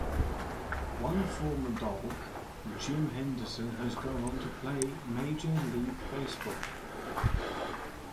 One former Dawg, Jim Henderson, has gone on to play Major League Baseball.